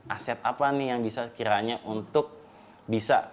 aset apa nih yang bisa kiranya untuk bisa